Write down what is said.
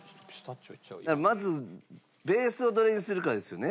まずベースをどれにするかですよね。